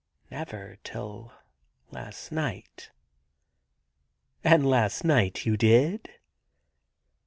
.. never till last night.' * And last night you did